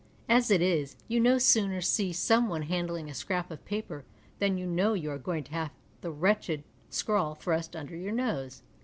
As it is, you no sooner see some one handling a scrap of paper than )'ou kiujw you are going to have the wretched scrawl thrust under your nose.